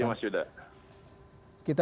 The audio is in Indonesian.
terima kasih mas yuda